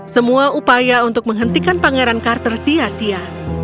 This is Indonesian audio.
semua upaya untuk menghentikan pangeran carter sia sia